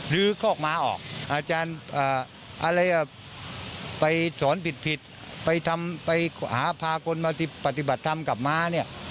คอกม้าออกอาจารย์อะไรไปสอนผิดไปหาพาคนมาปฏิบัติธรรมกับม้าเนี่ย